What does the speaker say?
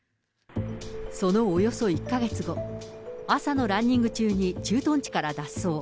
そのおよそ１か月後、朝のランニング中に駐屯地から脱走。